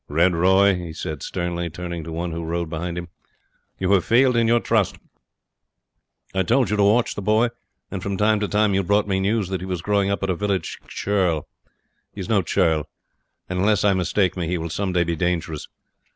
"Red Roy," he said sternly, turning to one who rode behind him, "you have failed in your trust. I told you to watch the boy, and from time to time you brought me news that he was growing up but a village churl. He is no churl, and unless I mistake me, he will some day be dangerous.